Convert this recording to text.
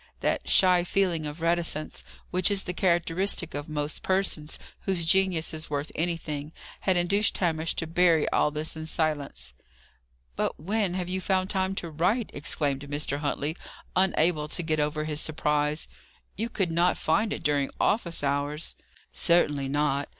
That shy feeling of reticence, which is the characteristic of most persons whose genius is worth anything, had induced Hamish to bury all this in silence. "But when have you found time to write?" exclaimed Mr. Huntley, unable to get over his surprise. "You could not find it during office hours?" "Certainly not.